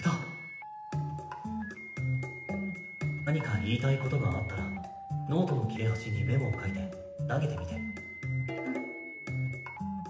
何か言いたいことがあったらノートの切れ端にメモを書いて投げてみて。